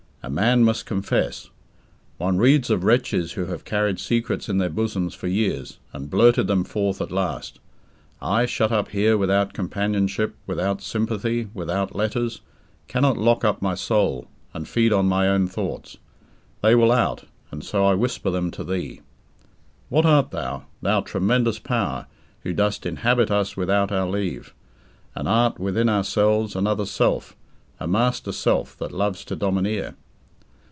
A man must confess. One reads of wretches who have carried secrets in their bosoms for years, and blurted them forth at last. I, shut up here without companionship, without sympathy, without letters, cannot lock up my soul, and feed on my own thoughts. They will out, and so I whisper them to thee. What art thou, thou tremendous power Who dost inhabit us without our leave, And art, within ourselves, another self, A master self that loves to domineer?